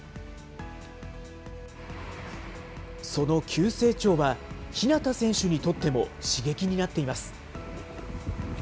その急成長は日向選手にとっても刺激になっています。